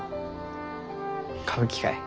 歌舞伎かえ？